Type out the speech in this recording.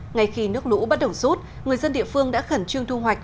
ngay khi nước lũ bắt đầu rút người dân địa phương đã khẩn trương thu hoạch